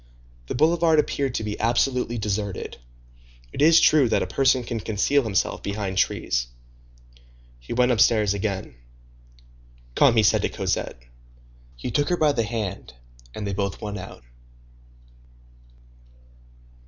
The boulevard appeared to be absolutely deserted. It is true that a person can conceal himself behind trees. He went upstairs again. "Come." he said to Cosette. He took her by the hand, and they both went out.